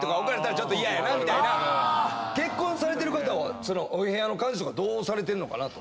結婚されてる方はお部屋の感じはどうされてんのかなと。